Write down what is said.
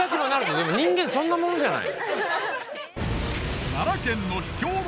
でも人間そんなものじゃない。